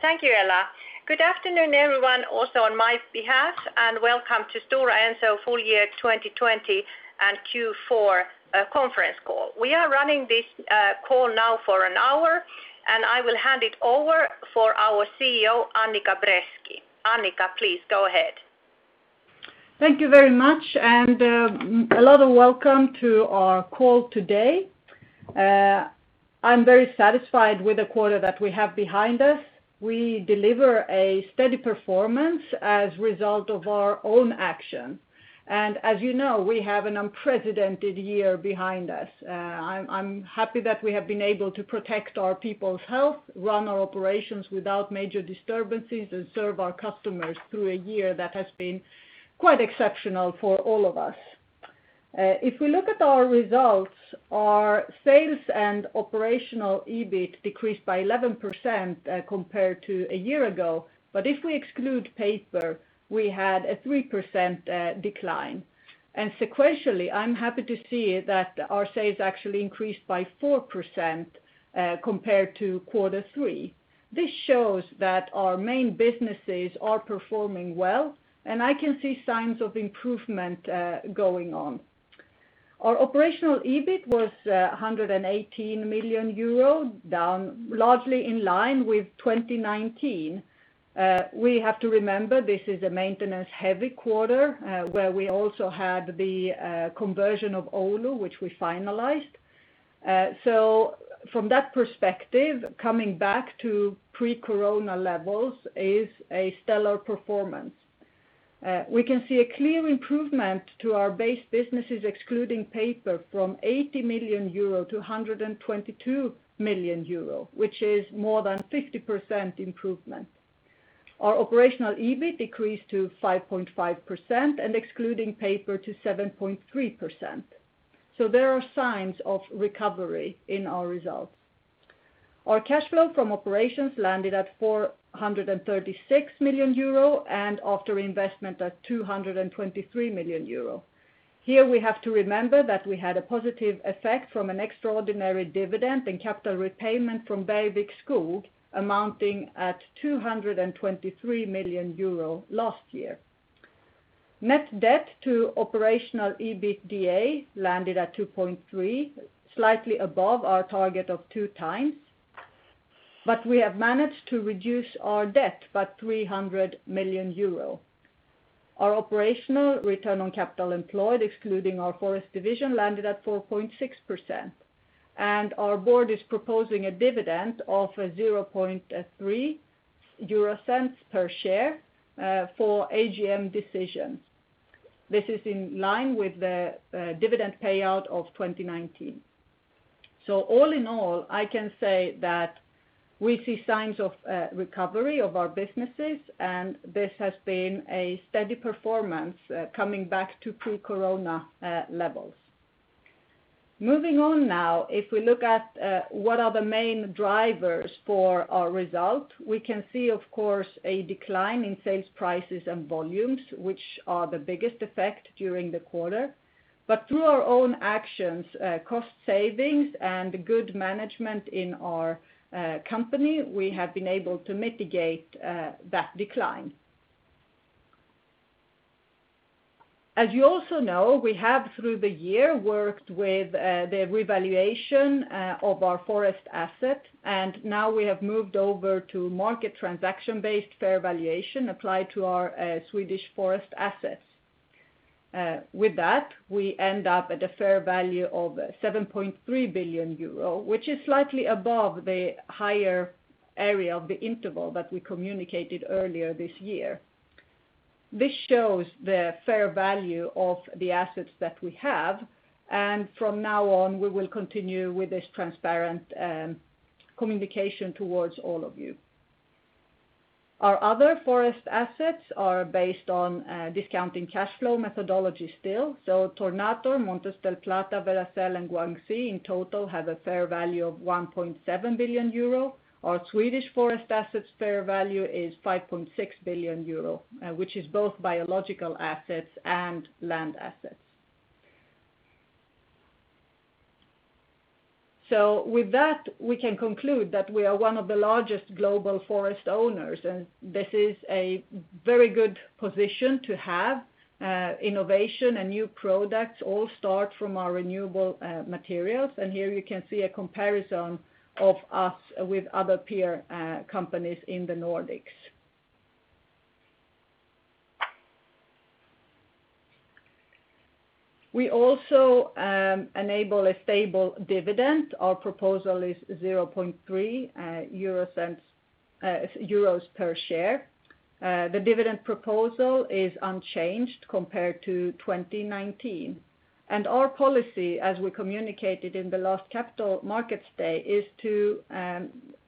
Thank you, Ulla. Good afternoon, everyone, also on my behalf. Welcome to Stora Enso full year 2020 and Q4 conference call. We are running this call now for an hour. I will hand it over for our CEO, Annica Bresky. Annica, please go ahead. Thank you very much. A lot of welcome to our call today. I'm very satisfied with the quarter that we have behind us. We deliver a steady performance as a result of our own action. As you know, we have an unprecedented year behind us. I'm happy that we have been able to protect our people's health, run our operations without major disturbances, and serve our customers through a year that has been quite exceptional for all of us. If we look at our results, our sales and operational EBIT decreased by 11% compared to a year ago. If we exclude paper, we had a 3% decline. Sequentially, I'm happy to see that our sales actually increased by 4% compared to quarter three. This shows that our main businesses are performing well, and I can see signs of improvement going on. Our operational EBIT was 118 million euro, down largely in line with 2019. We have to remember this is a maintenance-heavy quarter, where we also had the conversion of Oulu, which we finalized. From that perspective, coming back to pre-corona levels is a stellar performance. We can see a clear improvement to our base businesses excluding paper from 80 million euro to 122 million euro, which is more than 50% improvement. Our operational EBIT decreased to 5.5% and excluding paper to 7.3%. There are signs of recovery in our results. Our cash flow from operations landed at 436 million euro and after investment at 223 million euro. Here we have to remember that we had a positive effect from an extraordinary dividend and capital repayment from Bergvik Skog amounting at 223 million euro last year. Net debt to operational EBITDA landed at 2.3, slightly above our target of two times, but we have managed to reduce our debt by 300 million euro. Our operational return on capital employed, excluding our forest division, landed at 4.6%. Our board is proposing a dividend of 0.30 per share for AGM decisions. This is in line with the dividend payout of 2019. All in all, I can say that we see signs of recovery of our businesses, and this has been a steady performance coming back to pre-corona levels. Moving on now, if we look at what are the main drivers for our result, we can see, of course, a decline in sales prices and volumes, which are the biggest effect during the quarter. Through our own actions, cost savings, and good management in our company, we have been able to mitigate that decline. As you also know, we have through the year worked with the revaluation of our forest asset, and now we have moved over to market transaction-based fair valuation applied to our Swedish forest assets. With that, we end up at a fair value of 7.3 billion euro, which is slightly above the higher area of the interval that we communicated earlier this year. This shows the fair value of the assets that we have, and from now on, we will continue with this transparent communication towards all of you. Our other forest assets are based on discounting cash flow methodology still. Tornator, Montes del Plata, Veracel, and Guangxi in total have a fair value of 1.7 billion euro. Our Swedish forest assets fair value is 5.6 billion euro, which is both biological assets and land assets. With that, we can conclude that we are one of the largest global forest owners, and this is a very good position to have. Innovation and new products all start from our renewable materials, and here you can see a comparison of us with other peer companies in the Nordics. We also enable a stable dividend. Our proposal is 0.3 per share. The dividend proposal is unchanged compared to 2019. Our policy, as we communicated in the last Capital Markets Day, is to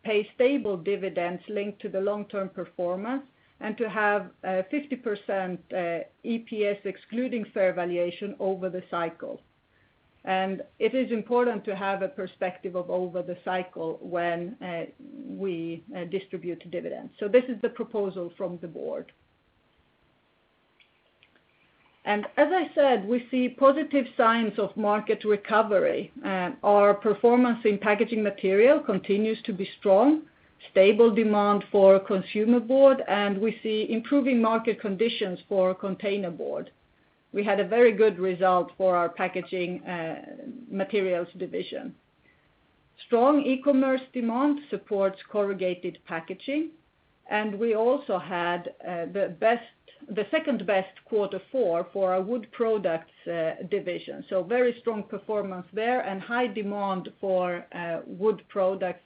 pay stable dividends linked to the long-term performance and to have a 50% EPS excluding fair valuation over the cycle. It is important to have a perspective of over the cycle when we distribute dividends. This is the proposal from the board. As I said, we see positive signs of market recovery. Our performance in packaging material continues to be strong, stable demand for consumer board. We see improving market conditions for containerboard. We had a very good result for our packaging materials division. Strong e-commerce demand supports corrugated packaging. We also had the second-best quarter four for our wood products division. Very strong performance there. High demand for wood products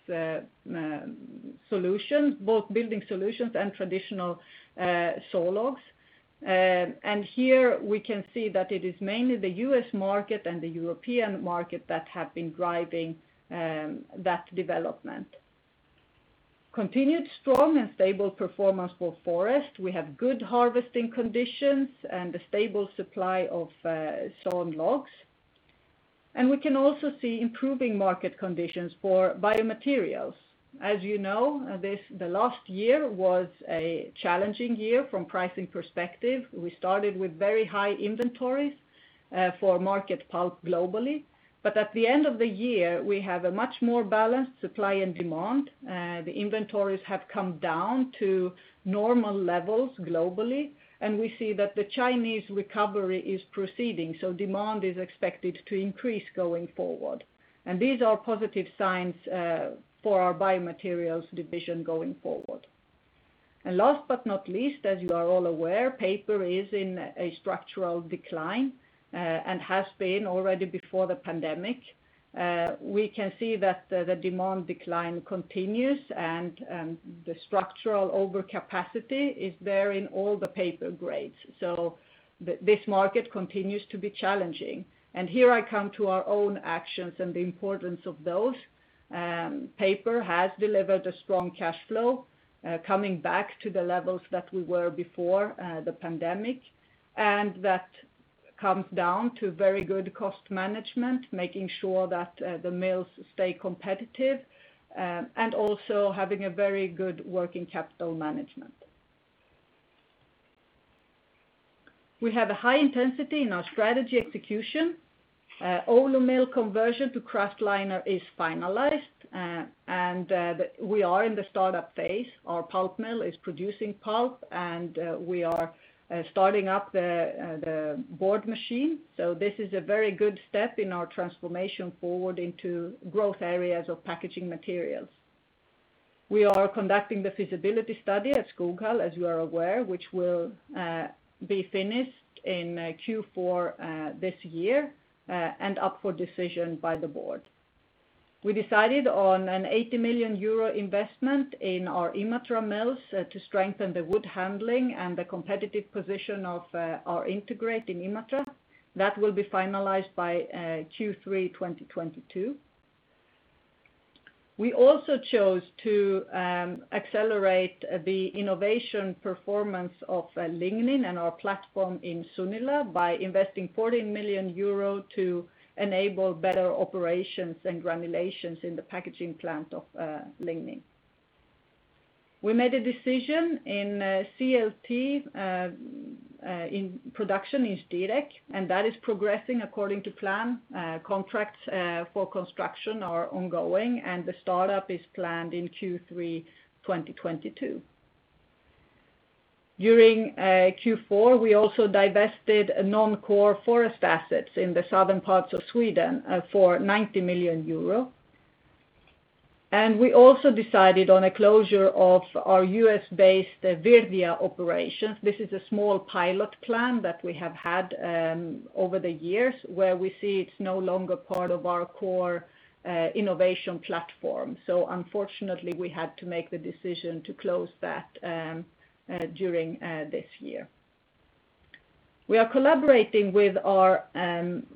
solutions, both building solutions and traditional sawlogs. Here we can see that it is mainly the U.S. market and the European market that have been driving that development. Continued strong and stable performance for Forest. We have good harvesting conditions and a stable supply of sawn logs. We can also see improving market conditions for Biomaterials. As you know, the last year was a challenging year from pricing perspective. We started with very high inventories for market pulp globally. At the end of the year, we have a much more balanced supply and demand. The inventories have come down to normal levels globally, and we see that the Chinese recovery is proceeding, demand is expected to increase going forward. These are positive signs for our biomaterials division going forward. Last but not least, as you are all aware, paper is in a structural decline, and has been already before the pandemic. We can see that the demand decline continues, and the structural overcapacity is there in all the paper grades. This market continues to be challenging. Here I come to our own actions and the importance of those. Paper has delivered a strong cash flow, coming back to the levels that we were before the pandemic. That comes down to very good cost management, making sure that the mills stay competitive, and also having a very good working capital management. We have a high intensity in our strategy execution. Oulu Mill conversion to kraftliner is finalized, and we are in the startup phase. Our pulp mill is producing pulp, and we are starting up the board machine. This is a very good step in our transformation forward into growth areas of packaging materials. We are conducting the feasibility study at Skoghall, as you are aware, which will be finished in Q4 this year, and up for decision by the board. We decided on an 80 million euro investment in our Imatra mills to strengthen the wood handling and the competitive position of our integrate in Imatra. That will be finalized by Q3 2022. We also chose to accelerate the innovation performance of lignin and our platform in Sunila by investing 14 million euro to enable better operations and granulations in the packaging plant of lignin. We made a decision in CLT in production is direct, that is progressing according to plan. Contracts for construction are ongoing, the startup is planned in Q3 2022. During Q4, we also divested non-core forest assets in the southern parts of Sweden for 90 million euro. We also decided on a closure of our U.S.-based Virdia operations. This is a small pilot plan that we have had over the years, where we see it is no longer part of our core innovation platform. Unfortunately, we had to make the decision to close that during this year. We are collaborating with our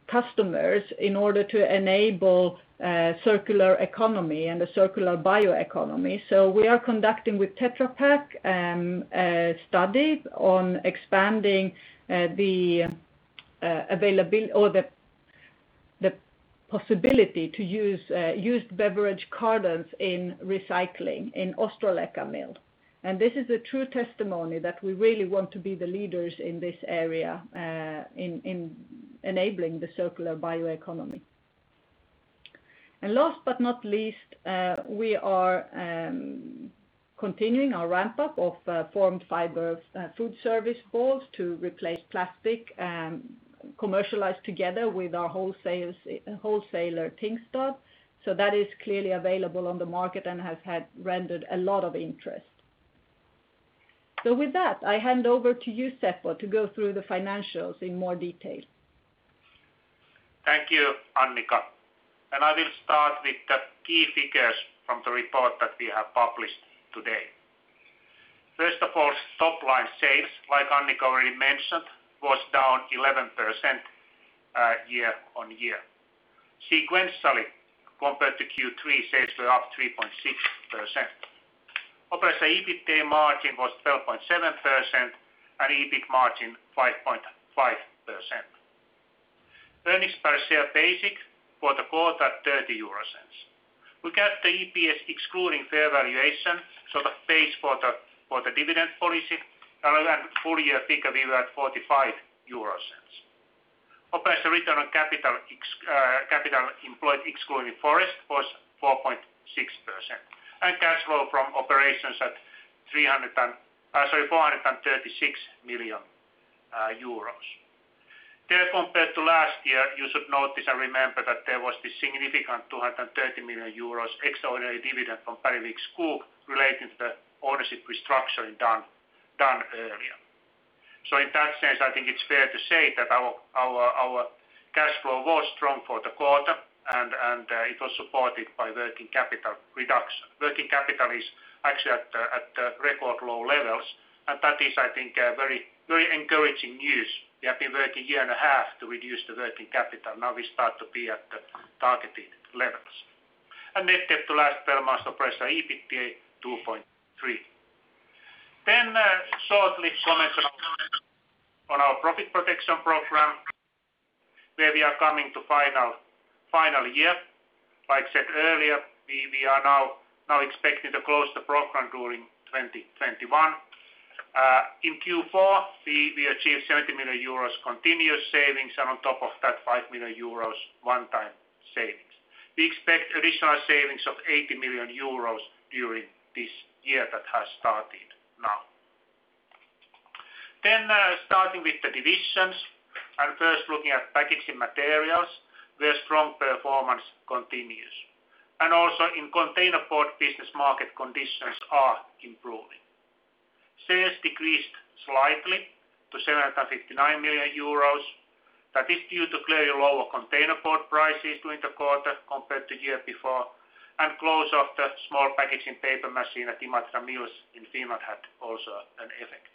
customers in order to enable circular economy and a circular bioeconomy. We are conducting with Tetra Pak a study on expanding the possibility to use used beverage cartons in recycling in Ostrołęka mill. This is a true testimony that we really want to be the leaders in this area in enabling the circular bioeconomy. Last but not least, we are continuing our ramp-up of formed fiber food service boards to replace plastic, commercialized together with our wholesaler, Tingstad. That is clearly available on the market and has rendered a lot of interest. With that, I hand over to you, Seppo, to go through the financials in more detail. Thank you, Annica. I will start with the key figures from the report that we have published today. First of all, top-line sales, like Annica already mentioned, was down 11% year-on-year. Sequentially, compared to Q3, sales were up 3.6%. Operating EBITDA margin was 12.7%, and EBIT margin 5.5%. Earnings per share basic for the quarter, 0.30. Look at the EPS excluding fair valuation, so the base for the dividend policy and full year figure, we were at 0.45. Operational return on capital employed excluding forest was 4.6%. Cash flow from operations at 436 million euros. There compared to last year, you should notice and remember that there was this significant 230 million euros extraordinary dividend from Bergvik Skog relating to the ownership restructuring done earlier. In that sense, I think it's fair to say that our cash flow was strong for the quarter, and it was supported by working capital reduction. Working capital is actually at record low levels, and that is, I think, very encouraging news. We have been working a year and a half to reduce the working capital. We start to be at the targeted levels. Net debt to LTM operational EBITDA was 2.3. Shortly comment on our profit protection program, where we are coming to final year. Like I said earlier, we are now expecting to close the program during 2021. In Q4, we achieved 70 million euros continuous savings, and on top of that, 5 million euros one-time savings. We expect additional savings of 80 million euros during this year that has started now. Starting with the divisions, and first looking at packaging materials, where strong performance continues. Also in containerboard business, market conditions are improving. Sales decreased slightly to 759 million euros. That is due to clearly lower containerboard prices during the quarter compared to year before, and close of the small packaging paper machine at Imatra Mills in Finland had also an effect.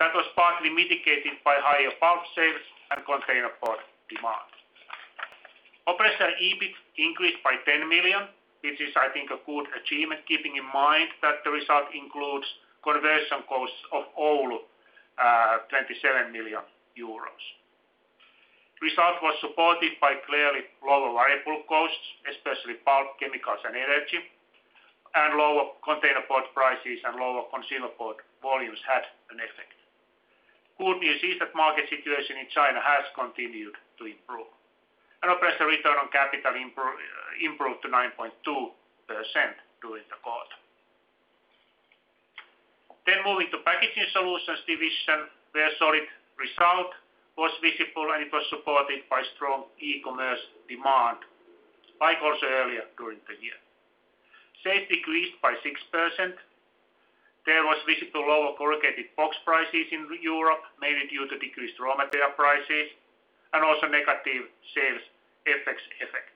That was partly mitigated by higher pulp sales and containerboard demand. Operational EBIT increased by 10 million. This is, I think, a good achievement, keeping in mind that the result includes conversion costs of Oulu 27 million euros. Result was supported by clearly lower variable costs, especially pulp, chemicals, and energy, and lower containerboard prices and lower containerboard volumes had an effect. Good news is that market situation in China has continued to improve. Operational return on capital improved to 9.2% during the quarter. Moving to packaging solutions division, where solid result was visible, and it was supported by strong e-commerce demand, like also earlier during the year. Sales decreased by 6%. There was visible lower corrugated box prices in Europe, mainly due to decreased raw material prices and also negative sales FX effect.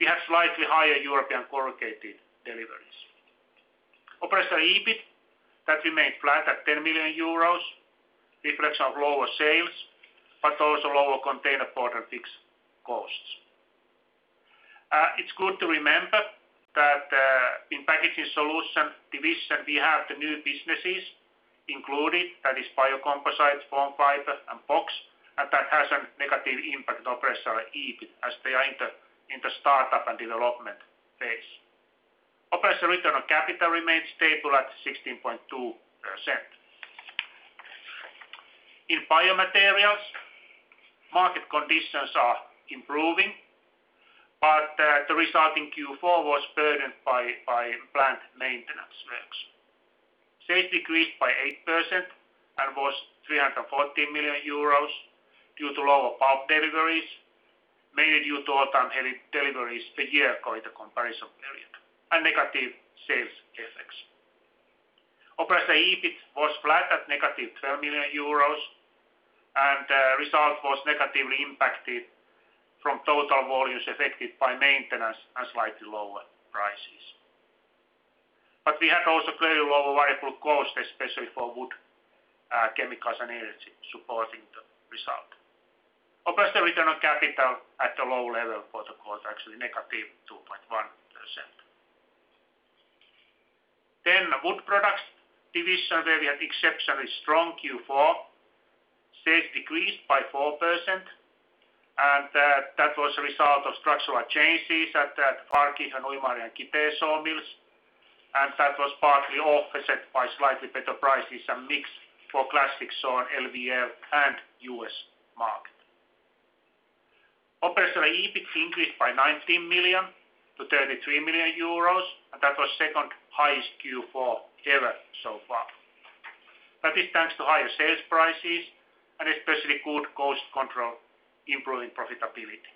We had slightly higher European corrugated deliveries. Operational EBIT, that remained flat at 10 million euros, reflection of lower sales, but also lower containerboard and fixed costs. It's good to remember that in packaging solution division, we have the new businesses included, that is biocomposites, formed fiber, and box, and that has a negative impact on operational EBIT, as they are in the startup and development phase. Operational return on capital remains stable at 16.2%. In biomaterials, market conditions are improving, but the result in Q4 was burdened by plant maintenance works. Sales decreased by 8% and was 314 million euros due to lower pulp deliveries, mainly due to autumn deliveries the year for the comparison period, and negative sales FX. Operational EBIT was flat at negative 12 million euros. Result was negatively impacted from total volumes affected by maintenance and slightly lower prices. We had also clearly lower variable costs, especially for wood chemicals and energy supporting the result. Operational return on capital at a low level for the quarter, actually negative 2.1%. Wood Products division, where we had exceptionally strong Q4. Sales decreased by 4%. That was a result of structural changes at the Pfarrkirchen, Uimaharju, and Kitee sawmills. That was partly offset by slightly better prices and mix for Classic Sawn and LVL and U.S. market. Operational EBIT increased by 19 million to 33 million euros. That was second highest Q4 ever so far. That is thanks to higher sales prices and especially good cost control improving profitability.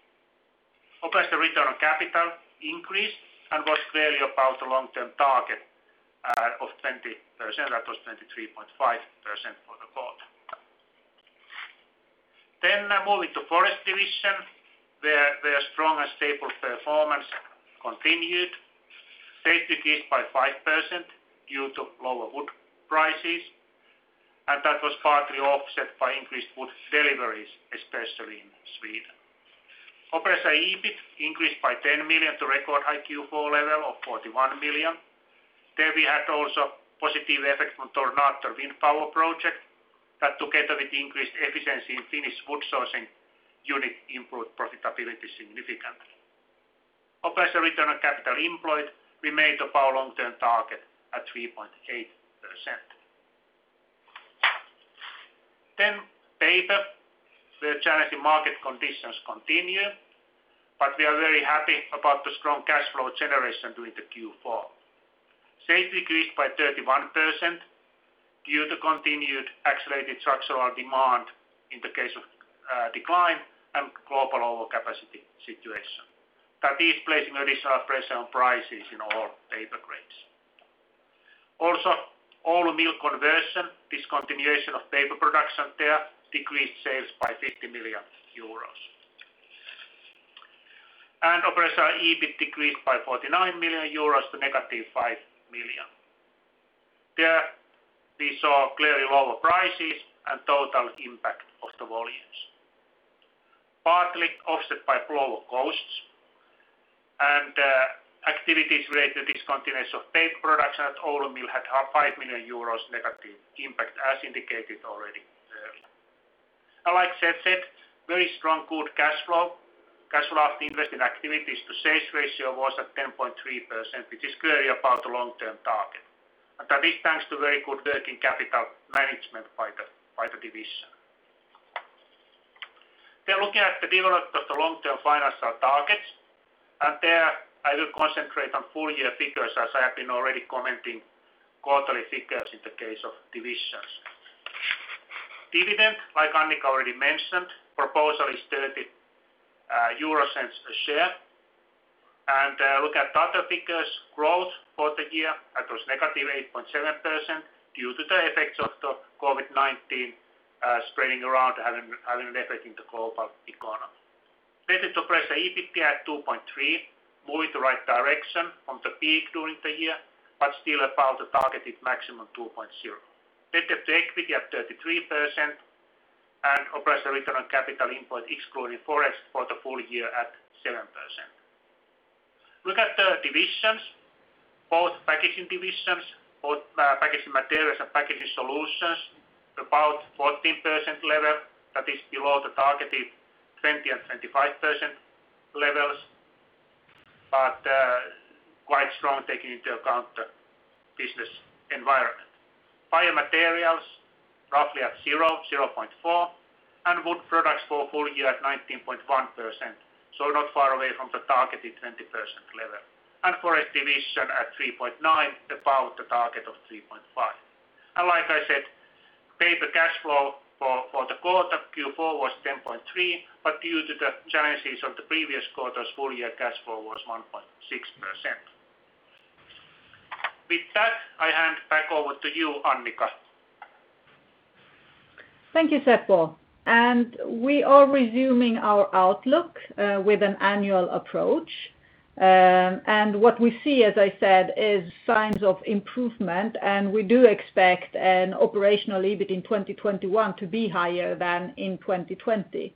Operational return on capital increased and was clearly above the long-term target of 20%. That was 23.5% for the quarter. Moving to Forest division, where strong and stable performance continued. Sales decreased by 5% due to lower wood prices, and that was partly offset by increased wood deliveries, especially in Sweden. Operational EBIT increased by 10 million to record high Q4 level of 41 million. There we had also positive effects from Tornator wind power project that together with increased efficiency in Finnish wood sourcing unit improved profitability significantly. Operational return on capital employed remained above long-term target at 3.8%. Paper, the challenging market conditions continue, but we are very happy about the strong cash flow generation during the Q4. Sales decreased by 31% due to continued accelerated structural demand in the case of decline and global overcapacity situation. That is placing additional pressure on prices in all paper grades. Oulu mill conversion discontinuation of paper production there decreased sales by 50 million euros. Operational EBIT decreased by 49 million euros to negative 5 million. There we saw clearly lower prices and total impact of the volumes. Partly offset by lower costs and activities related to discontinuation of paper production at Oulu mill had a 5 million euros negative impact as indicated already. Like I said, very strong good cash flow. Cash flow after investing activities to sales ratio was at 10.3%, which is clearly above the long-term target, and that is thanks to very good working capital management by the division. Looking at the development of the long-term financial targets. There I will concentrate on full-year figures as I have been already commenting quarterly figures in the case of divisions. Dividend, like Annica already mentioned, proposal is 0.30 a share. Look at other figures, growth for the year, that was -8.7% due to the effects of the COVID-19 spreading around and having an effect in the global economy. Debt to operational EBIT at 2.3, moving the right direction from the peak during the year, but still above the targeted maximum 2.0. Debt-to-equity at 33% and operational return on capital employed excluding forest for the full year at 7%. Look at the divisions, both packaging divisions, both Packaging Materials and Packaging Solutions, about 14% level. That is below the targeted 20% and 25% levels, but quite strong taking into account the business environment. Biomaterials roughly at zero, 0.4%, and Wood Products for full year at 19.1%, so not far away from the targeted 20% level, and Forest division at 3.9% above the target of 3.5%. Like I said, Paper cash flow for the quarter Q4 was 10.3%, but due to the challenges of the previous quarters, full-year cash flow was 1.6%. With that, I hand back over to you, Annica. Thank you, Seppo. We are resuming our outlook with an annual approach. What we see, as I said, is signs of improvement, and we do expect an operational EBIT in 2021 to be higher than in 2020.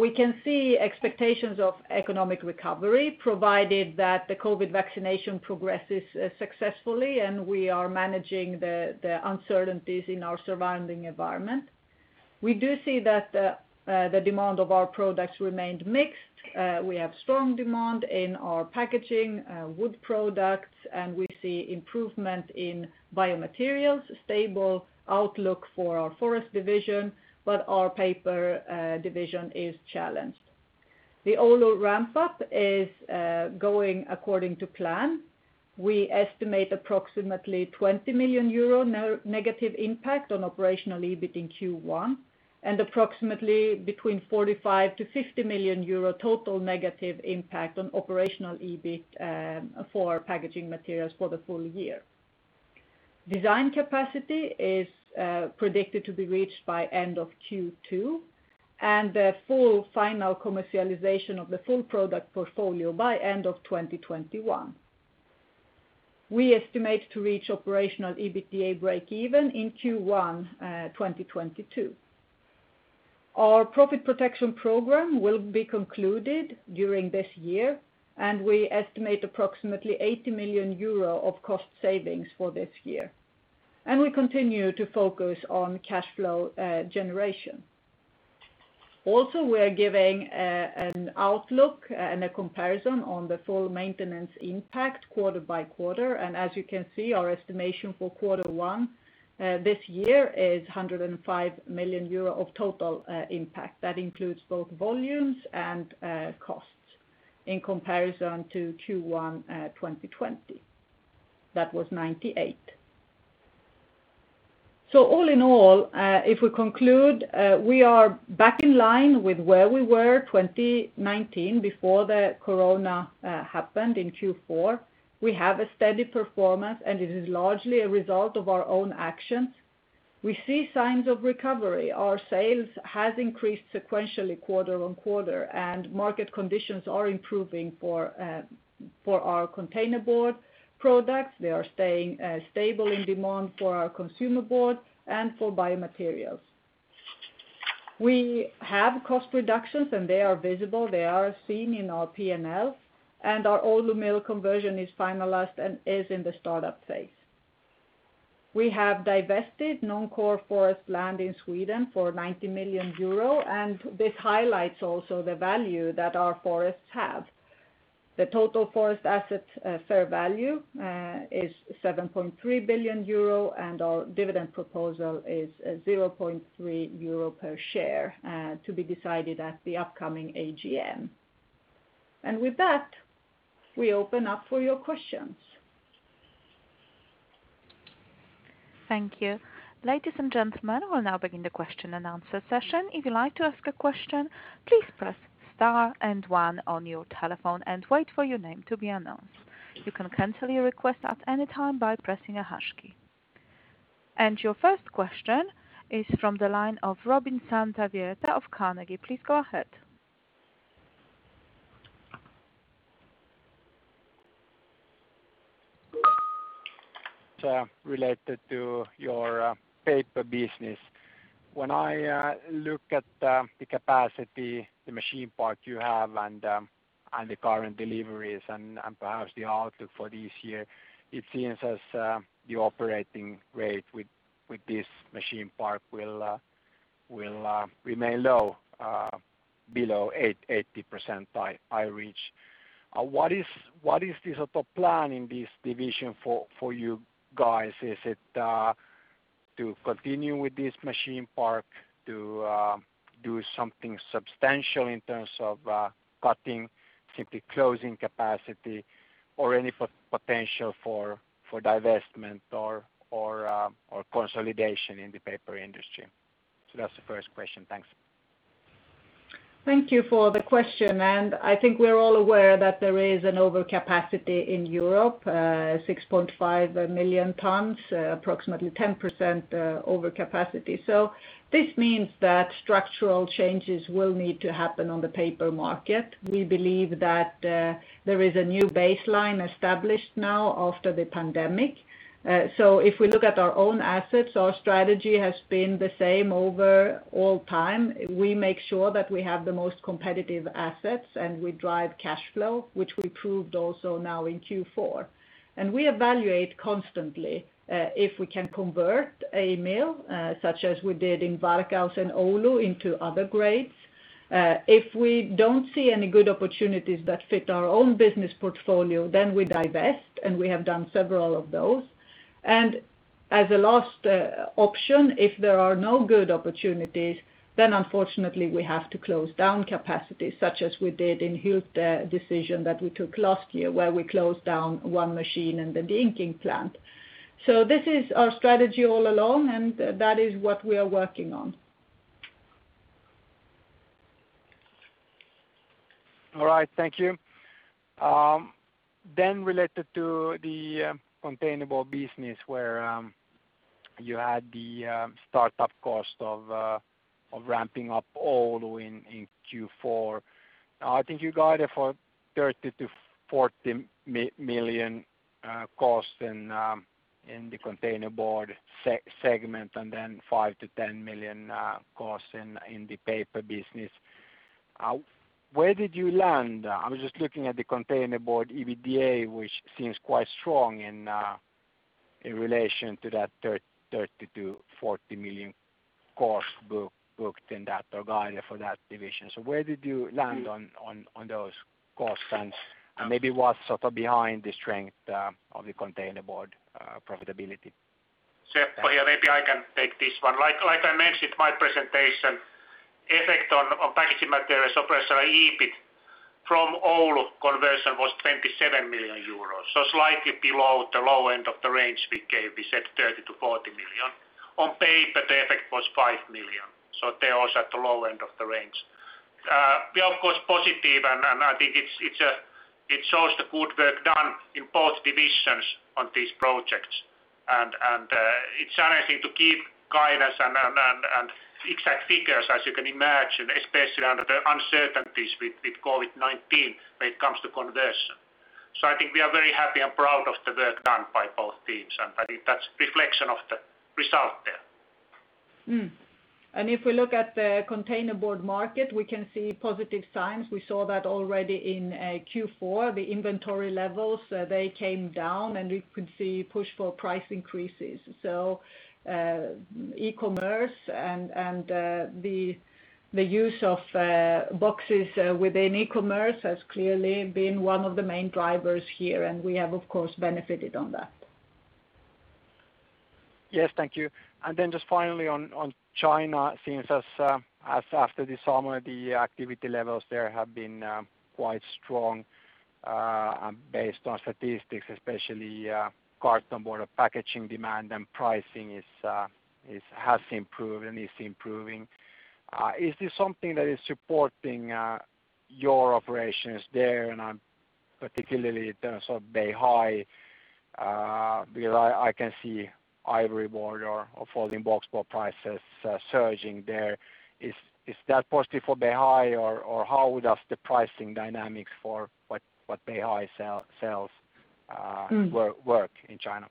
We can see expectations of economic recovery, provided that the COVID-19 vaccination progresses successfully and we are managing the uncertainties in our surrounding environment. We do see that the demand of our products remained mixed. We have strong demand in our Packaging, Wood Products, and we see improvement in Biomaterials, stable outlook for our Forest division, but our Paper division is challenged. The Oulu ramp-up is going according to plan. We estimate approximately 20 million euro negative impact on operational EBIT in Q1, and approximately between 45 million-50 million euro total negative impact on operational EBIT for our Packaging Materials for the full year. Design capacity is predicted to be reached by end of Q2, and the full final commercialization of the full product portfolio by end of 2021. We estimate to reach operational EBITDA breakeven in Q1 2022. Our profit protection program will be concluded during this year, and we estimate approximately 80 million euro of cost savings for this year, and we continue to focus on cash flow generation. Also, we are giving an outlook and a comparison on the full maintenance impact quarter by quarter, and as you can see, our estimation for quarter one this year is 105 million euro of total impact. That includes both volumes and costs in comparison to Q1 2020. That was 98 million. All in all, if we conclude, we are back in line with where we were 2019 before the corona happened in Q4. We have a steady performance, it is largely a result of our own actions. We see signs of recovery. Our sales has increased sequentially quarter-on-quarter, and market conditions are improving for our containerboard products. They are staying stable in demand for our consumer board and for biomaterials. We have cost reductions and they are visible. They are seen in our P&L, and our Oulu Mill conversion is finalized and is in the startup phase. We have divested non-core forest land in Sweden for 90 million euro, and this highlights also the value that our forests have. The total forest asset fair value is 7.3 billion euro, and our dividend proposal is 0.3 euro per share, to be decided at the upcoming AGM. With that, we open up for your questions. Thank you. Ladies and gentlemen, we'll now begin the question and answer session. If you'd like to ask a question, please press star and one on your telephone and wait for your name to be announced. You can cancel your request at any time by pressing the hash key. Your first question is from the line of Robin Santavirta of Carnegie. Please go ahead. Related to your paper business, when I look at the capacity, the machine park you have and the current deliveries and perhaps the outlook for this year, it seems as the operating rate with this machine park will remain low, below 80% by outreach. What is the sort of plan in this division for you guys? Is it to continue with this machine park, to do something substantial in terms of cutting, simply closing capacity or any potential for divestment or consolidation in the paper industry? That's the first question. Thanks. Thank you for the question. I think we're all aware that there is an overcapacity in Europe, 6.5 million tons, approximately 10% overcapacity. This means that structural changes will need to happen on the paper market. We believe that there is a new baseline established now after the pandemic. If we look at our own assets, our strategy has been the same over all time. We make sure that we have the most competitive assets, and we drive cash flow, which we proved also now in Q4. We evaluate constantly, if we can convert a mill, such as we did in Varkaus and Oulu, into other grades. If we don't see any good opportunities that fit our own business portfolio, then we divest, and we have done several of those. As a last option, if there are no good opportunities, then unfortunately we have to close down capacity, such as we did in Hylte decision that we took last year, where we closed down one machine and the deinking plant. This is our strategy all along, and that is what we are working on. All right. Thank you. Related to the containerboard business, where you had the startup cost of ramping up Oulu in Q4. I think you guided for 30 million-40 million costs in the containerboard segment, and 5 million-10 million costs in the paper business. Where did you land? I was just looking at the containerboard EBITDA, which seems quite strong in relation to that 30 million-40 million costs booked in that, or guided for that division. Where did you land on those cost trends? Maybe what's sort of behind the strength of the containerboard profitability? Seppo here. Maybe I can take this one. Like I mentioned in my presentation, effect on packaging materials operational EBIT from Oulu conversion was 27 million euros. Slightly below the low end of the range we gave. We said 30 million-40 million. On paper, the effect was 5 million, there also at the low end of the range. We are, of course, positive, and I think it shows the good work done in both divisions on these projects. It's challenging to keep guidance and exact figures, as you can imagine, especially under the uncertainties with COVID-19 when it comes to conversion. I think we are very happy and proud of the work done by both teams, and I think that's a reflection of the result there. If we look at the containerboard market, we can see positive signs. We saw that already in Q4. The inventory levels, they came down, and we could see push for price increases. E-commerce and the use of boxes within e-commerce has clearly been one of the main drivers here, and we have, of course, benefited on that. Yes. Thank you. Then just finally on China, it seems as after this summer, the activity levels there have been quite strong, based on statistics, especially carton board or packaging demand and pricing has improved and is improving. Is this something that is supporting your operations there, and particularly in terms of Beihai? Because I can see ivory board or folding box price is surging there. Is that positive for Beihai, or how does the pricing dynamics for what Beihai sells work in China?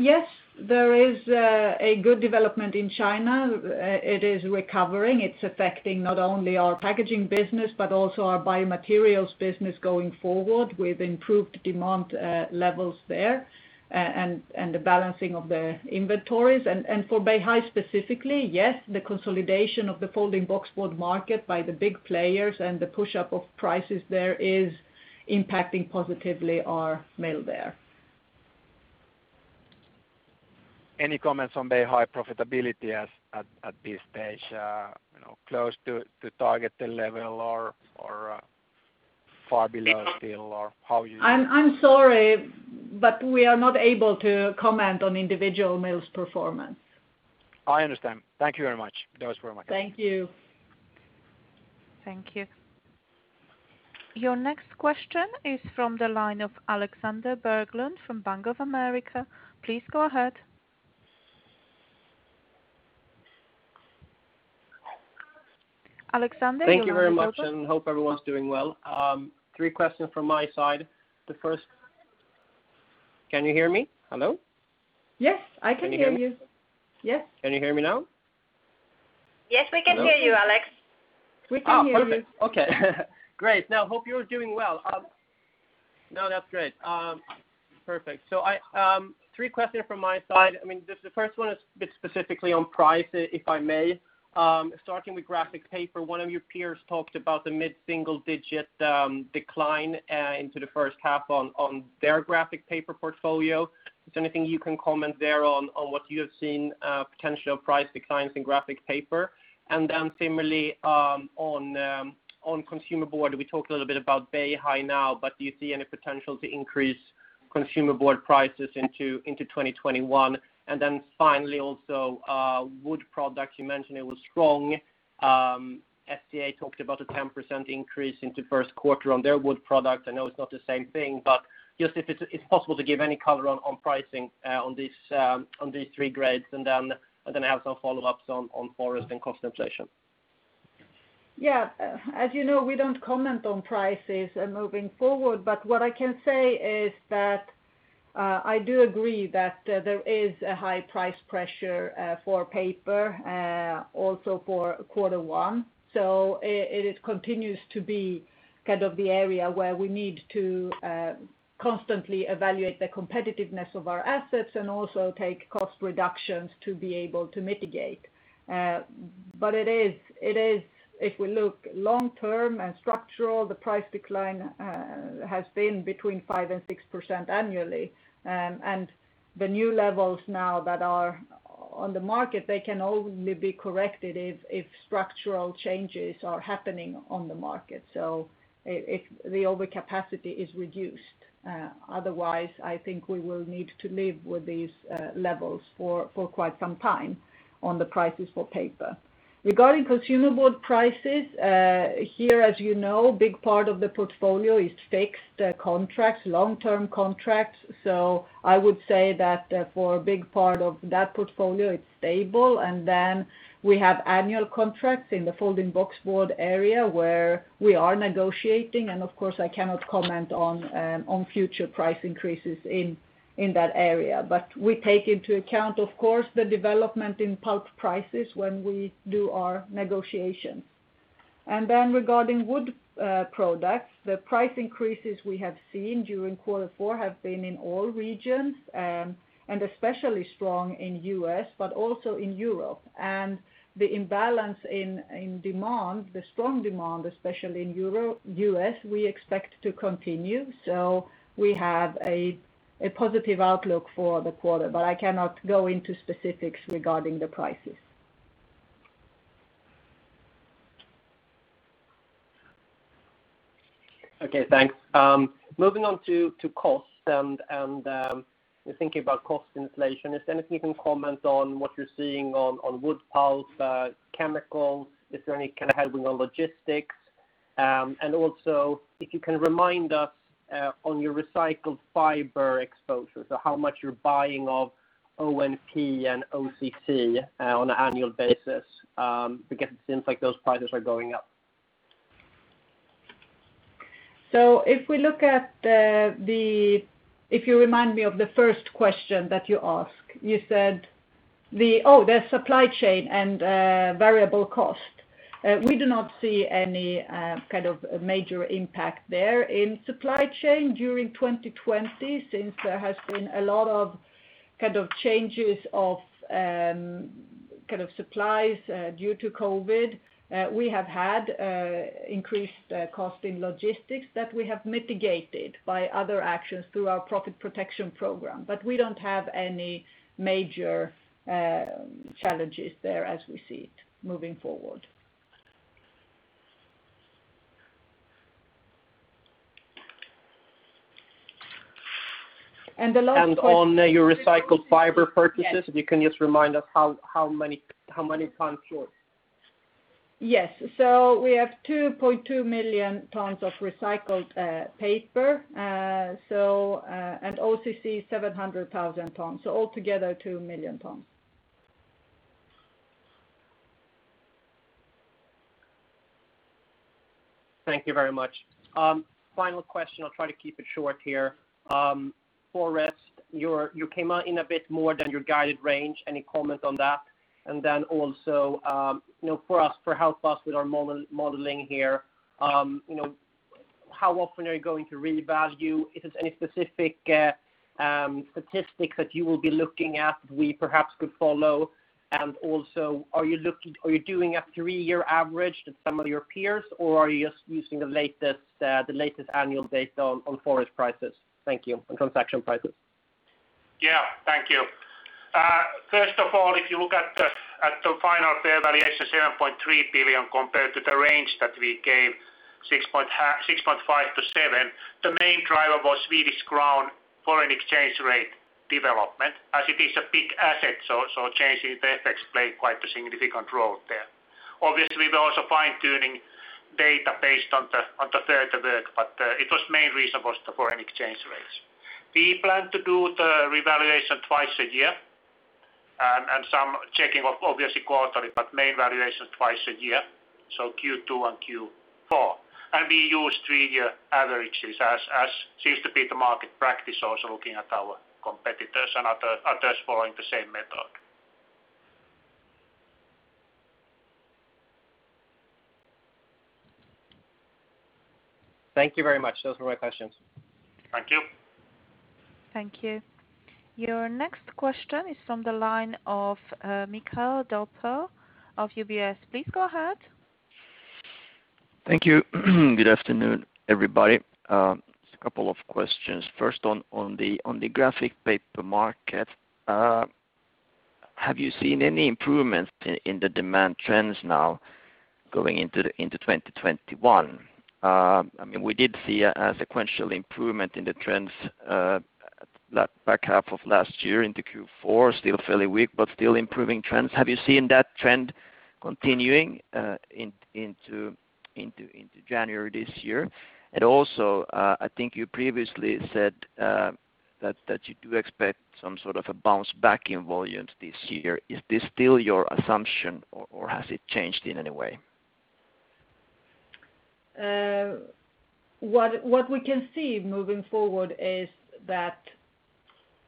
Yes, there is a good development in China. It is recovering. It's affecting not only our packaging business, but also our biomaterials business going forward with improved demand levels there and the balancing of the inventories. For Beihai specifically, yes, the consolidation of the folding boxboard market by the big players and the push-up of prices there is impacting positively our mill there. Any comments on Beihai profitability at this stage? Close to targeted level or far below still? I'm sorry, but we are not able to comment on individual mills' performance. I understand. Thank you very much. That was very much. Thank you. Thank you. Your next question is from the line of Alexander Berglund from Bank of America. Please go ahead. Alexander, are you on the phone? Thank you very much. Hope everyone's doing well. Three questions from my side. Can you hear me? Hello? Yes, I can hear you. Can you hear me? Yes. Can you hear me now? Yes, we can hear you, Alex. We can hear you. Oh, perfect. Okay. Great. Now, hope you're doing well. No, that's great. Perfect. Three questions from my side. The first one is specifically on price, if I may. Starting with graphic paper, one of your peers talked about the mid-single-digit decline into the first half on their graphic paper portfolio. If there's anything you can comment there on what you have seen potential price declines in graphic paper. Similarly, on consumer board, we talked a little bit about Beihai now, but do you see any potential to increase consumer board prices into 2021? Finally, also, wood products. You mentioned it was strong. SCA talked about a 10% increase into first quarter on their wood products. I know it's not the same thing, but just if it's possible to give any color on pricing on these three grades, and then I have some follow-ups on forest and cost inflation. Yeah. As you know, we don't comment on prices moving forward, but what I can say is that I do agree that there is a high price pressure for paper, also for quarter one. It continues to be the area where we need to constantly evaluate the competitiveness of our assets and also take cost reductions to be able to mitigate. If we look long term and structural, the price decline has been between 5% and 6% annually. The new levels now that are on the market, they can only be corrected if structural changes are happening on the market. If the overcapacity is reduced, otherwise, I think we will need to live with these levels for quite some time on the prices for paper. Regarding consumer board prices, here, as you know, big part of the portfolio is fixed contracts, long-term contracts. I would say that for a big part of that portfolio, it's stable, and then we have annual contracts in the folding boxboard area where we are negotiating, and of course, I cannot comment on future price increases in that area. We take into account, of course, the development in pulp prices when we do our negotiations. Regarding wood products, the price increases we have seen during Q4 have been in all regions, and especially strong in U.S., but also in Europe. The imbalance in demand, the strong demand, especially in U.S., we expect to continue. We have a positive outlook for the quarter, but I cannot go into specifics regarding the prices. Okay, thanks. Moving on to costs and thinking about cost inflation. Is there anything you can comment on what you're seeing on wood pulp, chemicals? Is there any kind of headache on logistics? Also, if you can remind us on your recycled fiber exposure, so how much you're buying of ONP and OCC on an annual basis, because it seems like those prices are going up. If you remind me of the first question that you asked, you said the supply chain and variable cost. We do not see any kind of major impact there in supply chain during 2020, since there has been a lot of changes of supplies due to COVID. We have had increased cost in logistics that we have mitigated by other actions through our Profit Protection Program. We don't have any major challenges there as we see it moving forward. On your recycled fiber purchases. Yes if you can just remind us how many tons it was. Yes. We have 2.2 million tons of recycled paper, and OCC 700,000 tons, so altogether 2 million tons. Thank you very much. Final question, I'll try to keep it short here. Forest, you came out in a bit more than your guided range. Any comment on that? Then also, to help us with our modeling here, how often are you going to revalue? Is it any specific statistics that you will be looking at that we perhaps could follow? Also, are you doing a three-year average like some of your peers, or are you just using the latest annual data on forest prices? Thank you. On transaction prices. Yeah, thank you. First of all, if you look at the final fair valuation, 7.3 billion compared to the range that we gave, 6.5 billion-7.0 billion, the main driver was Swedish crown foreign exchange rate development. As it is a big asset, so changes there play quite a significant role there. Obviously, we are also fine-tuning data based on the further work, the main reason was the foreign exchange rates. We plan to do the revaluation twice a year, some checking obviously quarterly, main valuation twice a year, so Q2 and Q4. We use three-year averages as seems to be the market practice, also looking at our competitors and others following the same method. Thank you very much. Those were my questions. Thank you. Thank you. Your next question is from the line of Mikael Doepel of UBS. Please go ahead. Thank you. Good afternoon, everybody. Just a couple of questions. First, on the graphic paper market, have you seen any improvements in the demand trends now going into 2021? We did see a sequential improvement in the trends back half of last year into Q4, still fairly weak, but still improving trends. Have you seen that trend continuing into January this year? I think you previously said that you do expect some sort of a bounce back in volumes this year. Is this still your assumption or has it changed in any way? What we can see moving forward is that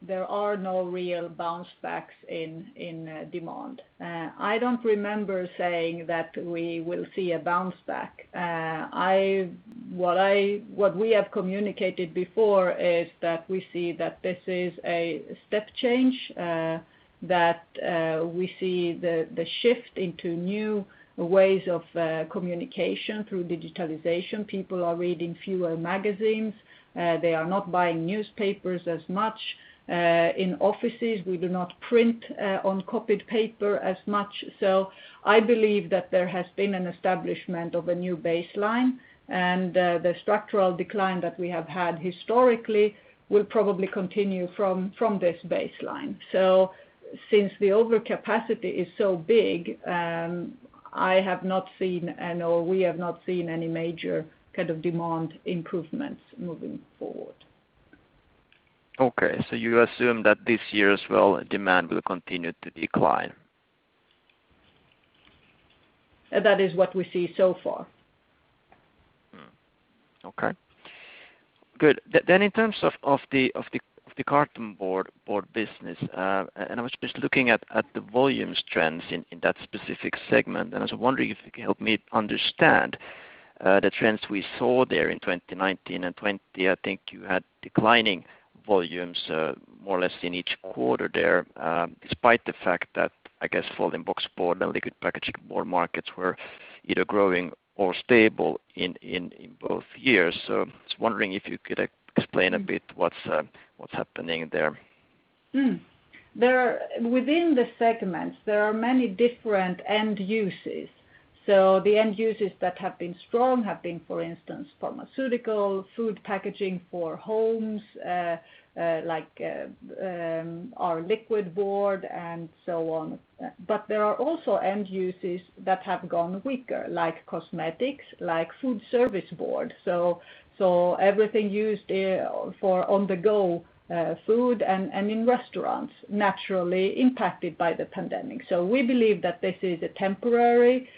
there are no real bounce backs in demand. I don't remember saying that we will see a bounce back. What we have communicated before is that we see that this is a step change, that we see the shift into new ways of communication through digitalization. People are reading fewer magazines. They are not buying newspapers as much. In offices, we do not print on copied paper as much. I believe that there has been an establishment of a new baseline, and the structural decline that we have had historically will probably continue from this baseline. Since the overcapacity is so big, I have not seen, and we have not seen any major kind of demand improvements moving forward. Okay. You assume that this year as well, demand will continue to decline? That is what we see so far. Okay, good. In terms of the carton board business, and I was just looking at the volumes trends in that specific segment, and I was wondering if you could help me understand the trends we saw there in 2019 and 2020. I think you had declining volumes more or less in each quarter there, despite the fact that, I guess, folding boxboard and liquid packaging board markets were either growing or stable in both years. So I was wondering if you could explain a bit what's happening there. Within the segments, there are many different end uses. The end uses that have been strong have been, for instance, pharmaceutical, food packaging for homes, like our liquid board and so on. There are also end uses that have gone weaker, like cosmetics, like food service board. Everything used for on-the-go food and in restaurants, naturally impacted by the pandemic. We believe that this is a temporary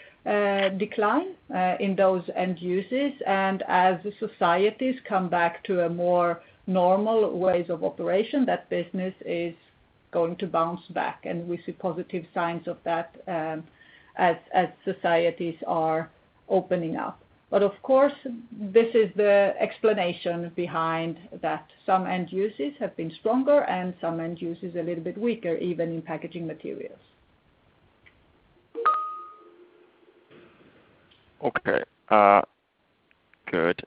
decline in those end uses, and as societies come back to a more normal ways of operation, that business is going to bounce back, and we see positive signs of that as societies are opening up. Of course, this is the explanation behind that. Some end uses have been stronger and some end uses a little bit weaker, even in packaging materials. Okay, good.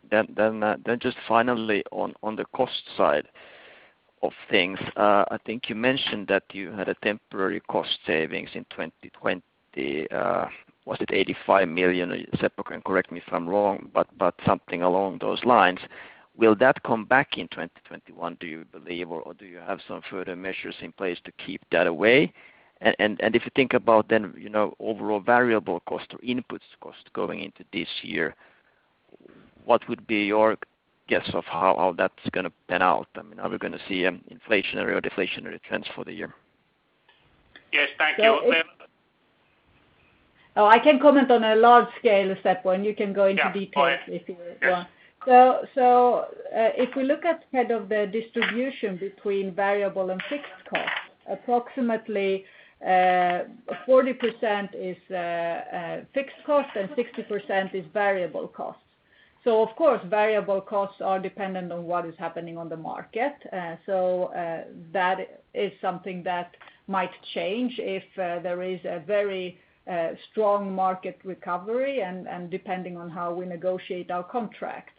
Just finally on the cost side of things, I think you mentioned that you had a temporary cost savings in 2020. Was it 85 million? Seppo can correct me if I'm wrong, but something along those lines. Will that come back in 2021, do you believe, or do you have some further measures in place to keep that away? If you think about then overall variable cost or inputs cost going into this year, what would be your guess of how that's going to pan out? Are we going to see inflationary or deflationary trends for the year? Yes, thank you. Oh, I can comment on a large scale, Seppo, and you can go into details if you want. If we look at the distribution between variable and fixed costs, approximately 40% is fixed costs and 60% is variable costs. Of course, variable costs are dependent on what is happening on the market. That is something that might change if there is a very strong market recovery and depending on how we negotiate our contracts.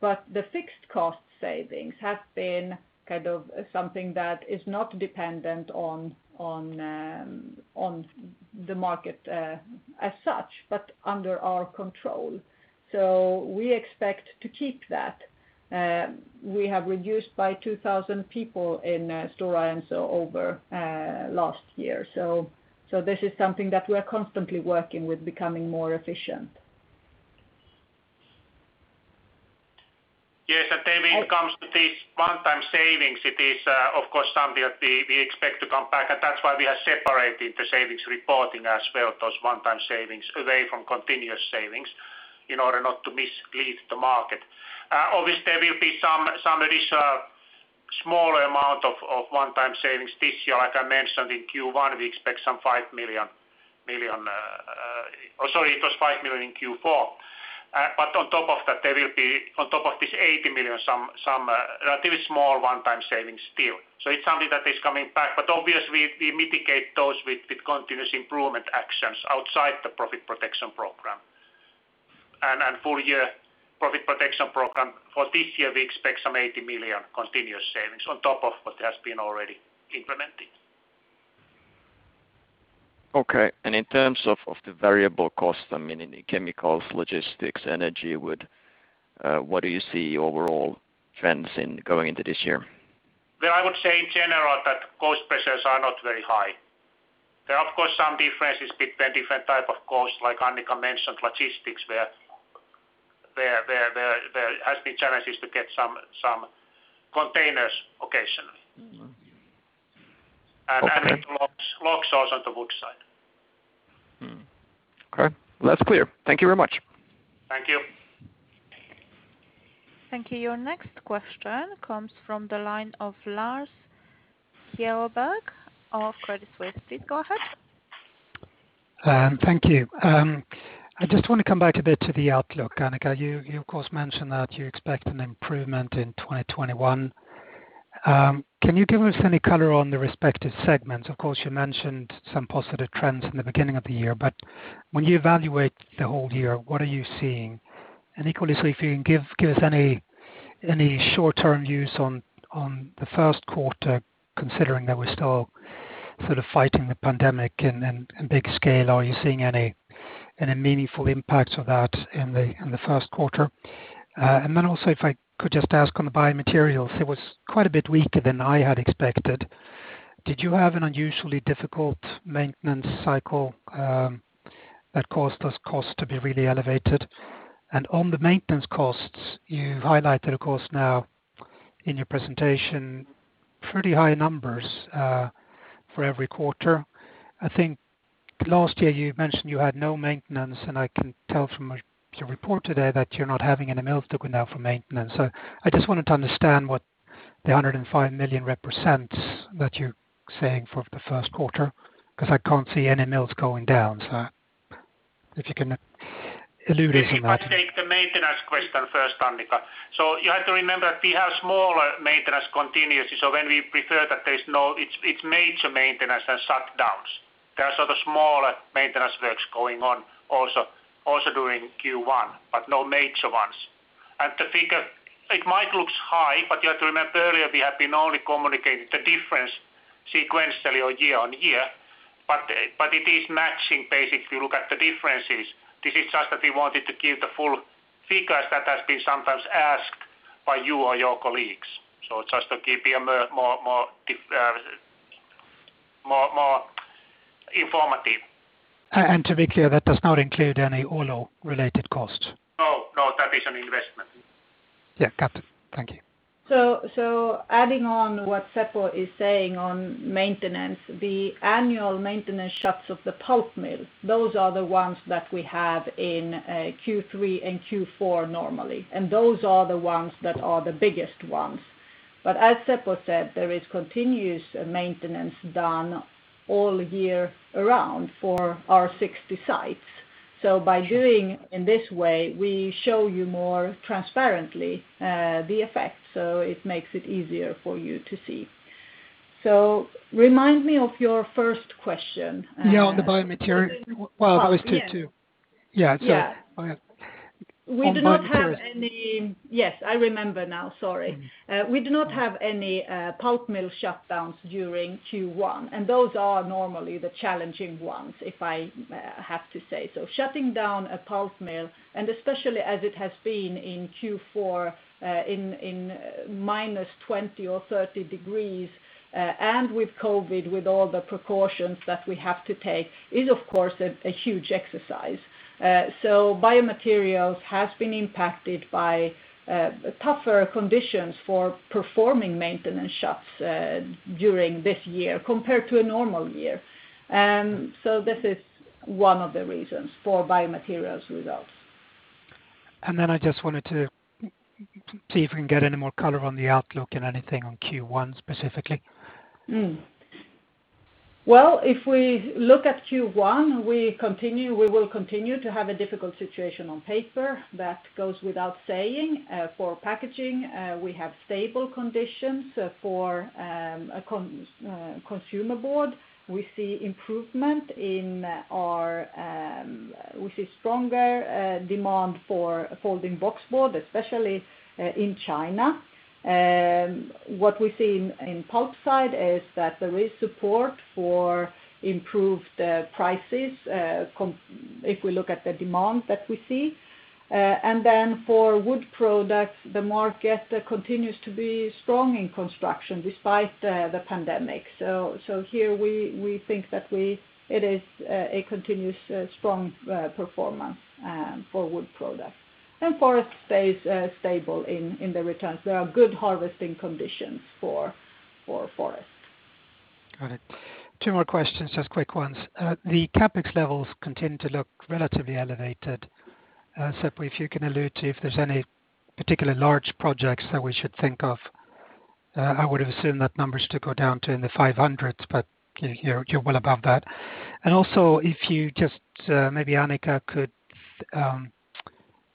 The fixed cost savings have been something that is not dependent on the market as such, but under our control. We expect to keep that. We have reduced by 2,000 people in Stora Enso over last year. This is something that we are constantly working with becoming more efficient. Yes, when it comes to these one-time savings, it is of course something that we expect to come back, and that's why we have separated the savings reporting as well, those one-time savings away from continuous savings in order not to mislead the market. Obviously, there will be some additional smaller amount of one-time savings this year. Like I mentioned in Q1, it was 5 million in Q4. On top of this 80 million, some relatively small one-time savings still. It's something that is coming back. Obviously, we mitigate those with continuous improvement actions outside the profit protection program. Full year profit protection program for this year, we expect some 80 million continuous savings on top of what has been already implemented. Okay, in terms of the variable cost, I mean, in chemicals, logistics, energy, wood, what do you see overall trends in going into this year? Well, I would say in general that cost pressures are not very high. There are of course, some differences between different type of costs, like Annica mentioned, logistics, where there has been challenges to get some containers occasionally. Okay. Logs also on the wood side. Okay. That's clear. Thank you very much. Thank you. Thank you. Your next question comes from the line of Lars Kjellberg of Credit Suisse. Please go ahead. Thank you. I just want to come back a bit to the outlook, Annica. You, of course, mentioned that you expect an improvement in 2021. Can you give us any color on the respective segments? Of course, you mentioned some positive trends in the beginning of the year, but when you evaluate the whole year, what are you seeing? Equally, if you can give us any short-term views on the first quarter, considering that we're still sort of fighting the pandemic in big scale. Are you seeing any meaningful impacts of that in the first quarter? Also if I could just ask on the biomaterials, it was quite a bit weaker than I had expected. Did you have an unusually difficult maintenance cycle, that caused those costs to be really elevated? On the maintenance costs, you highlighted, of course, now in your presentation, pretty high numbers for every quarter. I think last year you mentioned you had no maintenance, and I can tell from your report today that you are not having any mills taken down for maintenance. I just wanted to understand what the 105 million represents that you are saying for the first quarter, because I can't see any mills going down. If you can allude to that. If I take the maintenance question first, Annica. You have to remember that we have smaller maintenance continuously. When we prefer that there's major maintenance and shutdowns. There are sort of smaller maintenance works going on also during Q1, but no major ones. The figure, it might look high, but you have to remember earlier we have been only communicating the difference sequentially or year-over-year. It is matching basically, look at the differences. This is just that we wanted to give the full figures that has been sometimes asked by you or your colleagues. Just to keep you more informative. To be clear, that does not include any Oulu related cost? No, that is an investment. Yeah. Got it. Thank you. Adding on what Seppo is saying on maintenance, the annual maintenance shuts of the pulp mill. Those are the ones that we have in Q3 and Q4 normally, and those are the ones that are the biggest ones. As Seppo said, there is continuous maintenance done all year round for our 60 sites. By doing in this way, we show you more transparently the effect, so it makes it easier for you to see. Remind me of your first question. Yeah. On the biomaterial. Well, there was two. Yeah. Yeah. We do not have any pulp mill shutdowns during Q1. Those are normally the challenging ones if I have to say so. Shutting down a pulp mill and especially as it has been in Q4, in -20 or 30 degrees, and with COVID, with all the precautions that we have to take is of course a huge exercise. Biomaterials has been impacted by tougher conditions for performing maintenance shuts during this year compared to a normal year. This is one of the reasons for Biomaterials results. I just wanted to see if we can get any more color on the outlook and anything on Q1 specifically. Well, if we look at Q1, we will continue to have a difficult situation on paper, that goes without saying. For packaging, we have stable conditions. For consumer board, we see improvement. We see stronger demand for folding boxboard, especially in China. What we see in pulp side is that there is support for improved prices, if we look at the demand that we see. For wood products, the market continues to be strong in construction despite the pandemic. Here we think that it is a continuous strong performance for wood products. Forest stays stable in the returns. There are good harvesting conditions for forest. Got it. Two more questions, just quick ones. The CapEx levels continue to look relatively elevated. Seppo, if you can allude to if there's any particularly large projects that we should think of. I would've assumed that numbers to go down to in the EUR 500s, but you're well above that. Also, if maybe Annica could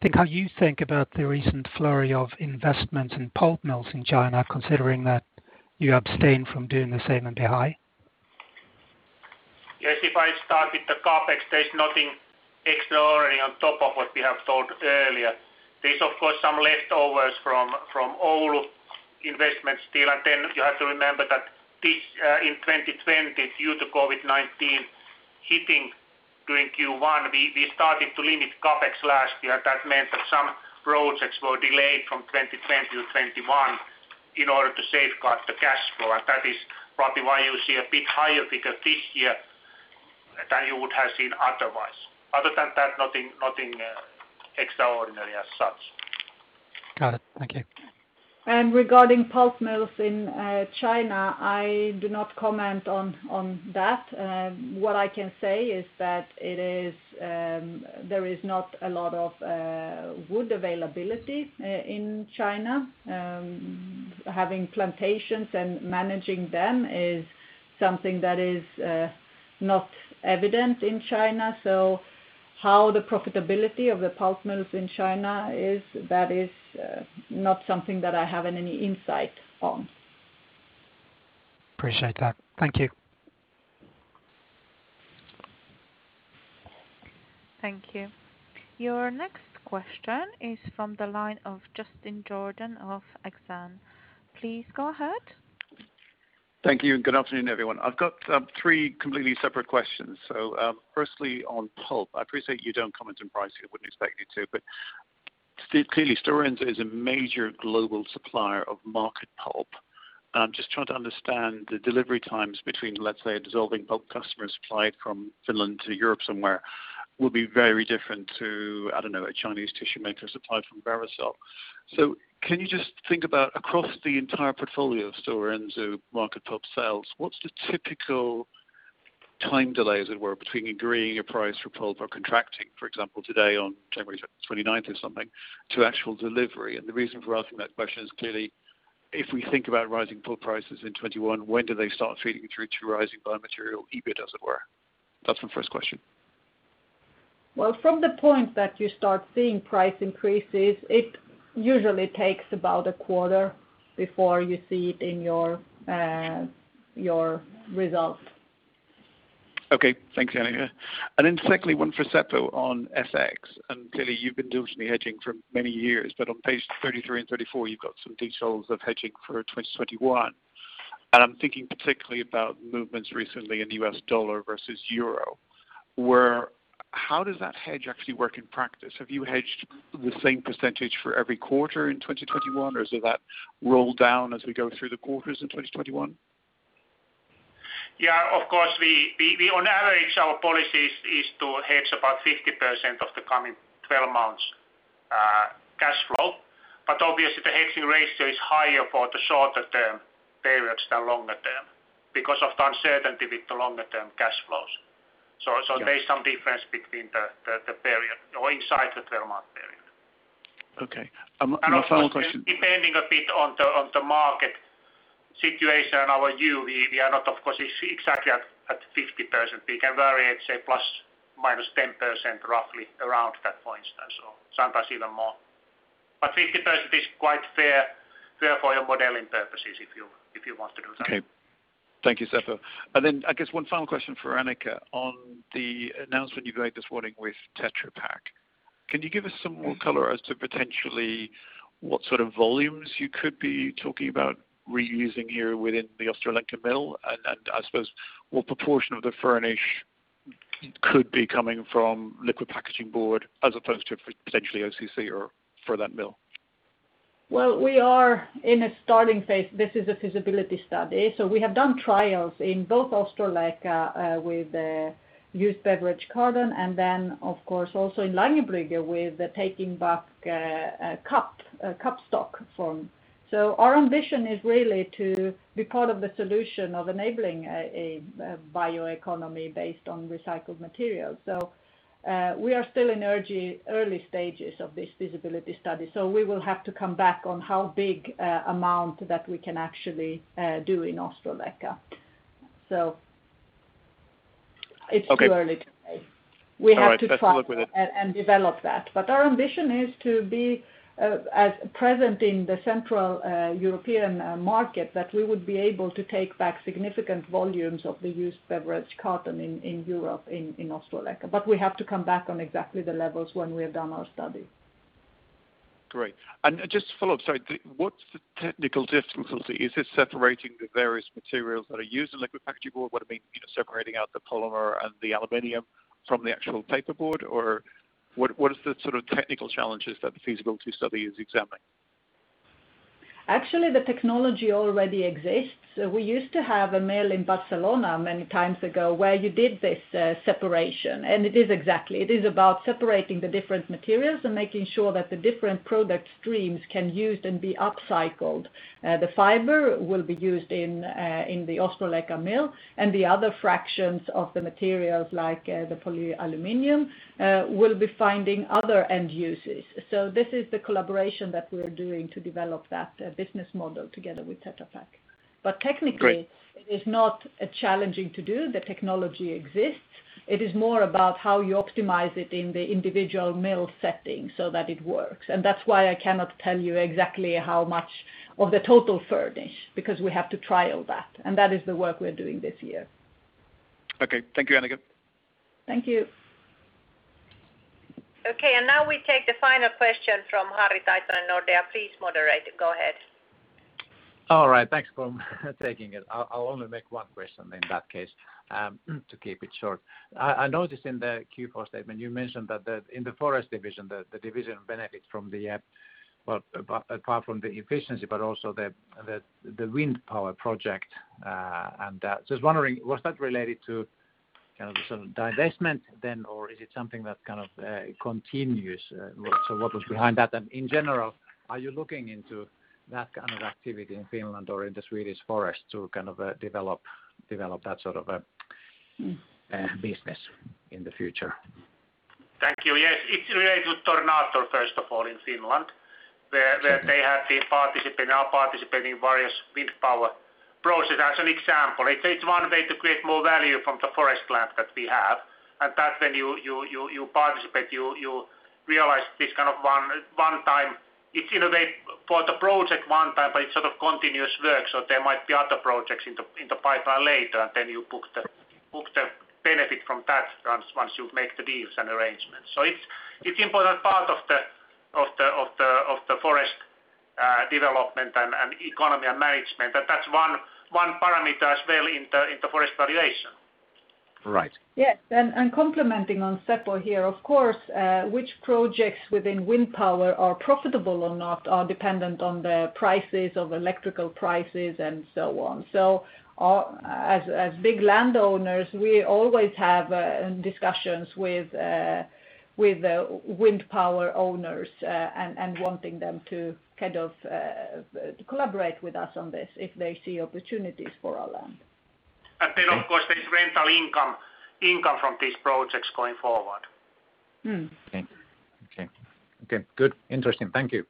think how you think about the recent flurry of investments in pulp mills in China, considering that you abstained from doing the same in Beihai. Yes, if I start with the CapEx, there's nothing extraordinary on top of what we have told earlier. There is, of course, some leftovers from Oulu investments still. You have to remember that in 2020, due to COVID-19 hitting during Q1, we started to limit CapEx last year. That meant that some projects were delayed from 2020 to 2021 in order to safeguard the cash flow. That is probably why you see a bit higher figure this year than you would have seen otherwise. Other than that, nothing extraordinary as such. Got it. Thank you. Regarding pulp mills in China, I do not comment on that. What I can say is that there is not a lot of wood availability in China. Having plantations and managing them is something that is not evident in China. How the profitability of the pulp mills in China is, that is not something that I have any insight on. Appreciate that. Thank you. Thank you. Your next question is from the line of Justin Jordan of Exane. Please go ahead. Thank you, and good afternoon, everyone. I've got three completely separate questions. Firstly on pulp, I appreciate you don't comment on pricing, I wouldn't expect you to, but clearly Stora Enso is a major global supplier of market pulp. I'm just trying to understand the delivery times between, let's say, a dissolving pulp customer supplied from Finland to Europe somewhere, will be very different to, I don't know, a Chinese tissue maker supplied from Veracel. Can you just think about across the entire portfolio of Stora Enso market pulp sales, what's the typical time delay, as it were, between agreeing a price for pulp or contracting, for example, today on January 29th or something, to actual delivery? The reason for asking that question is clearly if we think about rising pulp prices in 2021, when do they start feeding through to rising Biomaterial EBIT, as it were? That's my first question. Well, from the point that you start seeing price increases, it usually takes about a quarter before you see it in your results. Thanks, Annica. Secondly, one for Seppo on FX. Clearly you've been diligently hedging for many years, but on page 33 and 34, you've got some details of hedging for 2021. I'm thinking particularly about movements recently in the U.S. dollar versus euro, where how does that hedge actually work in practice? Have you hedged the same percentage for every quarter in 2021, or does that roll down as we go through the quarters in 2021? Yeah, of course, on average, our policy is to hedge about 50% of the coming 12 months cash flow. Obviously the hedging ratio is higher for the shorter term periods than longer term because of the uncertainty with the longer term cash flows. There's some difference between the period or inside the 12-month period. Okay. My final question. Of course, depending a bit on the market situation, we are not, of course, exactly at 50%. We can vary, say plus minus 10% roughly around that point. Sometimes even more. 50% is quite fair for your modeling purposes if you want to do that. Okay. Thank you, Seppo. I guess one final question for Annica. On the announcement you made this morning with Tetra Pak. Can you give us some more color as to potentially what sort of volumes you could be talking about reusing here within the Ostrołęka mill? I suppose what proportion of the furnish could be coming from liquid packaging board as opposed to potentially OCC for that mill? We are in a starting phase. This is a feasibility study. We have done trials in both Ostrołęka with used beverage carton and then, of course, also in Langerbrugge with taking back cup stock. Our ambition is really to be part of the solution of enabling a bioeconomy based on recycled materials. We are still in early stages of this feasibility study. We will have to come back on how big amount that we can actually do in Ostrołęka. It's too early to say. All right. Best of luck with it. We have to trial and develop that. Our ambition is to be as present in the Central European market that we would be able to take back significant volumes of the used beverage carton in Europe, in Ostrołęka. We have to come back on exactly the levels when we have done our study. Great. Just to follow up, sorry, what's the technical difficulty? Is it separating the various materials that are used in liquid packaging board? Would it mean separating out the polymer and the aluminum from the actual paperboard? What is the sort of technical challenges that the feasibility study is examining? Actually, the technology already exists. We used to have a mill in Barcelona many times ago where you did this separation. It is exactly. It is about separating the different materials and making sure that the different product streams can use and be upcycled. The fiber will be used in the Ostrołęka mill and the other fractions of the materials like the polyaluminum will be finding other end uses. This is the collaboration that we're doing to develop that business model together with Tetra Pak. Technically. Great It is not challenging to do. The technology exists. It is more about how you optimize it in the individual mill setting so that it works. That's why I cannot tell you exactly how much of the total furnish, because we have to trial that, and that is the work we are doing this year. Okay. Thank you, Annica. Thank you. Okay, now we take the final question from Harri Taittonen, Nordea. Please, moderator, go ahead. All right. Thanks for taking it. I'll only make one question in that case to keep it short. I noticed in the Q4 statement you mentioned that in the forest division, the division benefits apart from the efficiency, but also the wind power project. Just wondering, was that related to the sort of divestment then, or is it something that kind of continues? What was behind that? In general, are you looking into that kind of activity in Finland or in the Swedish forest to kind of develop that sort of a business in the future? Thank you. Yes, it's related to Tornator first of all, in Finland, where they have been participating, now participating in various wind power projects. As an example, it's one way to create more value from the forest land that we have. That when you participate, you realize this kind of one time for the project one time, but it's sort of continuous work. There might be other projects in the pipeline later, and then you book the benefit from that once you make the deals and arrangements. It's important part of the forest development and economy and management, that's one parameter as well in the forest valuation. Right. Yes. Complementing on Seppo here, of course which projects within wind power are profitable or not are dependent on the prices of electrical prices and so on. As big landowners, we always have discussions with wind power owners, and wanting them to collaborate with us on this if they see opportunities for our land. Of course, there's rental income from these projects going forward. Okay. Good. Interesting. Thank you.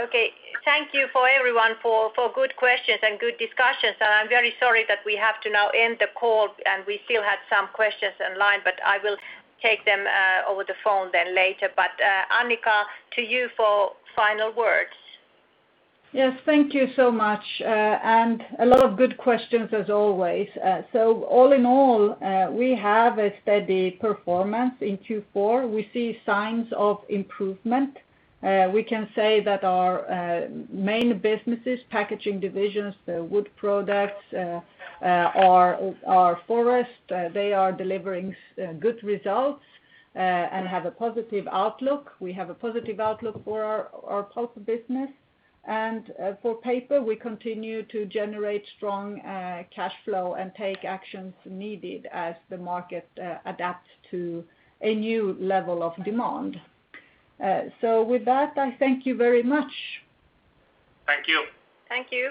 Okay. Thank you for everyone for good questions and good discussions. I'm very sorry that we have to now end the call, and we still had some questions in line, but I will take them over the phone then later. Annica, to you for final words. Yes. Thank you so much. A lot of good questions as always. All in all, we have a steady performance in Q4. We see signs of improvement. We can say that our main businesses, packaging divisions, the wood products, our forest, they are delivering good results, and have a positive outlook. We have a positive outlook for our pulp business. For paper, we continue to generate strong cash flow and take actions needed as the market adapts to a new level of demand. With that, I thank you very much. Thank you. Thank you.